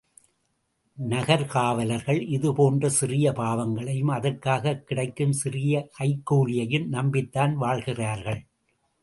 நகர்க்காவலர்கள், இதுபோன்ற சிறிய பாவங்களையும் அதற்காகக் கிடைக்கும் சிறிய கைக்கூலியையும் நம்பித்தான் வாழ்கிறார்கள்!